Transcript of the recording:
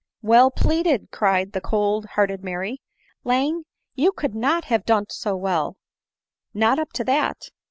" Well pleaded," cried the cold hearted Mary —" Lang, you could not have done't so well— cot up to that."